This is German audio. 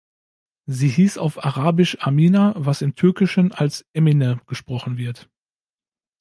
Sie hieß auf Arabisch Amina, was im Türkischen als „Emine“ gesprochen wird.